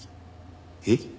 えっ？